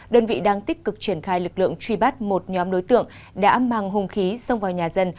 đơn vị đang tích cực triển khai lực lượng truy bắt một nhóm đối tượng đã mang hùng khí xông vào nhà dân